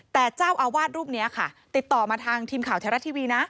แต่เจ้าอาวาสรูปนี้ค่ะติดต่อมาทางทีมข่าวไทยรัฐทีวีนะ